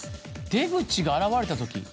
出口が現れたとき？